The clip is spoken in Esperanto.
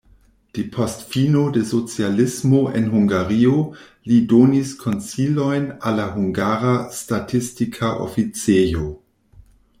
Depost fino de socialismo en Hungario li donis konsilojn al la hungara statistika oficejo.